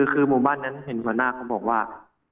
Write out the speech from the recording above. คือหมู่บ้านนั้นเห็นหัวหน้าเขาบอกว่า